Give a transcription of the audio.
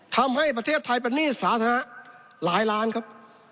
ทำให้ประเทศไทยเป็นหนี้สาธารณะหลายล้านครับ